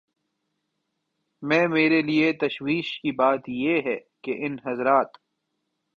میں میرے لیے تشویش کی بات یہ ہے کہ ان حضرات